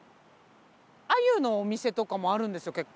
アユのお店とかもあるんですよ